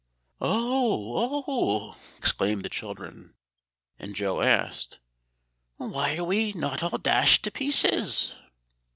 "Oh! oh!" exclaimed the children; and Joe asked, "Why are we not all dashed to pieces?"